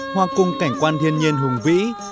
hoa cung cảnh quan thiên nhiên hùng vĩ